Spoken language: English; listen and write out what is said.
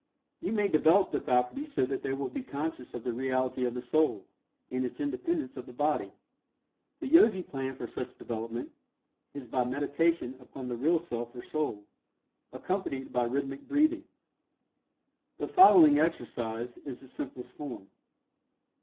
You may develop the faculties so that they will be conscious of the reality of the Soul, and its independence of the body. The Yogi plan for such development is by meditation upon the real Self or Soul, accompanied by rhythmic breathing. The following exercise is the simplest form.